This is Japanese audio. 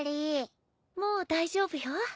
もう大丈夫よ。